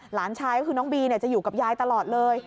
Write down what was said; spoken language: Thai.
หลานชายก็คือน้องบีจะอยู่กับยายตลอดเลย